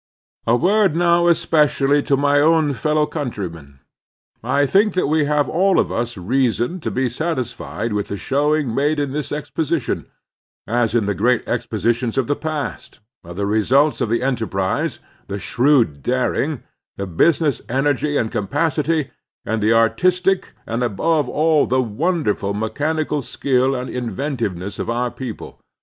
A word now especially to my own fellow countrymen. I think that we have all of us reason to be satisfied with the showing made in this exposition, as in the great expositions of the past, of the results of the enterprise, the shrewd daring, the business energy and capacity, and the The Two Americas 22$ artistic and, above all, the wonderftil mechanical skill and inventiveness of our people.